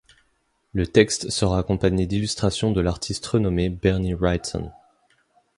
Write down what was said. Le texte sera accompagné d'illustrations de l'artiste renommé Bernie Wrightson.